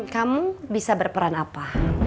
kamu bisa berperan apa